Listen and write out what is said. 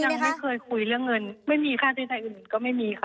ยังไม่เคยคุยเรื่องเงินไม่มีค่าใช้อื่นก็ไม่มีค่ะ